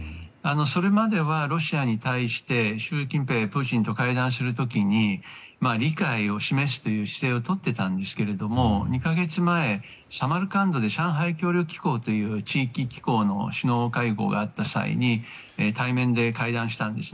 それまではロシアに対して習近平はプーチンと会談する時に理解を示すという姿勢をとっていたんですが２か月前、サマルカンドで上海協力機構という地域機構の首脳会合があった際に対面で、会談したんです。